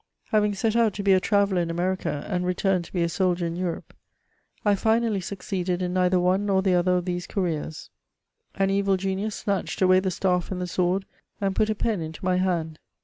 Having set out to be a traveller in America, and returned to be a soldier in Europe, I finally succeeded in neither one nor the other of these careers : an evil genius snatched away the staff and the sword, and put a pen into my hand.